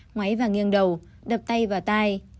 ngoáy và nghiêng đầu đập tay vào tay